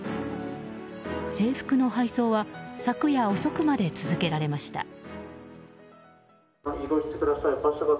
制服の配送は昨夜遅くまで続けられました。